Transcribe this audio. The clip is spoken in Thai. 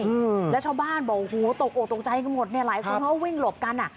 หืมและชาวบ้านบอกหูตกโอกตกใจมีคนหมดไหนหลายคนเขาวิ่งหลบกันอ่ะ